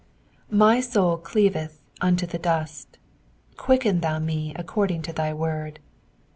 MY soul cleaveth unto the dust : quicken thou me according to thy word.